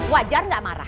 wajar gak marah